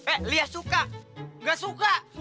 eh lia suka gak suka